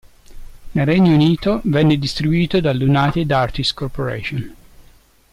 Nel Regno Unito, venne distribuito dall'United Artists Corporation.